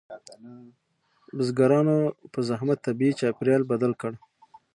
بزګرانو په زحمت طبیعي چاپیریال بدل کړ.